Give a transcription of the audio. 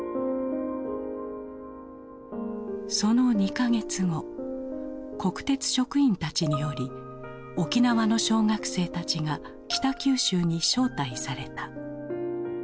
その２か月後国鉄職員たちにより沖縄の小学生たちが北九州に招待された。